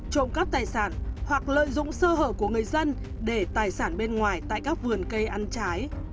trộm cắp tài sản hoặc lợi dụng sơ hở của người dân để tài sản bên ngoài tại các vườn cây ăn trái